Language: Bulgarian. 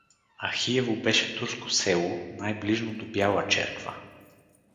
Ахиево беше турско село, най-ближно до Бяла черква.